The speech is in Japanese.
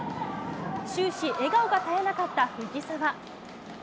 終始、笑顔が絶えなかった藤澤。